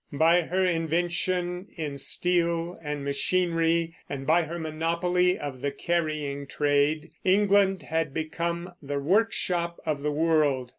By her invention in steel and machinery, and by her monopoly of the carrying trade, England had become the workshop of the world.